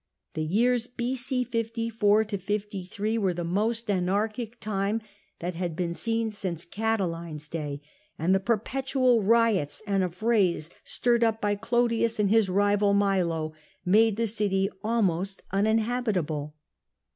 The years B.c. 54 53 were the most anarchic time that had been seen since Catiline's day, and the perpetual riots and affrays stirred up by Clodius and his rival Milo made the city almost uninhabitable.